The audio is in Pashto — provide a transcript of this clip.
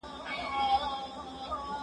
ټول خلګ د قانون په وړاندي مساوي وو.